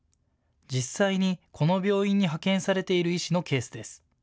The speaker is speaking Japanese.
実際にこの病院に派遣されている医師のケースです。